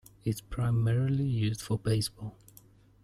It is primarily used for baseball.